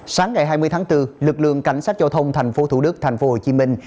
sáng ngày hai mươi tháng bốn lực lượng cảnh sát giao thông tp thủ đức tp hồ chí minh